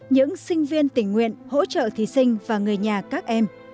những sinh viên tình nguyện hỗ trợ thí sinh và người nhà các em